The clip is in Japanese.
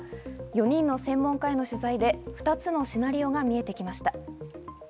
４人の専門家への取材で２つのシナリオが見えてきました。